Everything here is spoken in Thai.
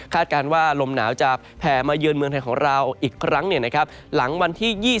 การว่าลมหนาวจะแผ่มาเยือนเมืองไทยของเราอีกครั้งหลังวันที่๒๒